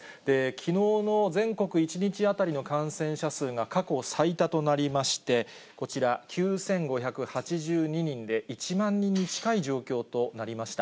きのうの全国１日当たりの感染者数が過去最多となりまして、こちら、９５８２人で１万人に近い状況となりました。